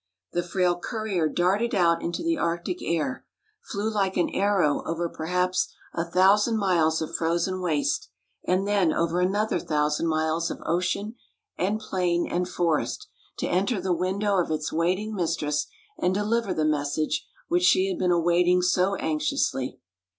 The frail courier darted out into the Arctic air, flew like an arrow over perhaps a thousand miles of frozen waste, and then over another thousand miles of ocean and plain and forest, to enter the window of its waiting mistress and deliver the message which she had been awaiting so anxiously.